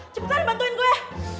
cepetan bantuin gue